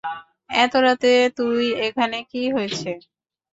এতো রাতে তুই এখানে কি হয়েছে?